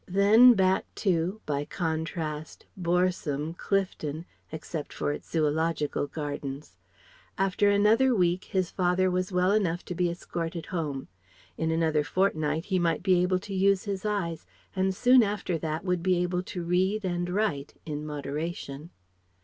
Then back to by contrast boresome Clifton (except for its Zoological Gardens). After another week his father was well enough to be escorted home. In another fortnight he might be able to use his eyes, and soon after that would be able to read and write in moderation.